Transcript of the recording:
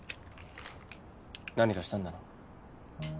何かしたんだな？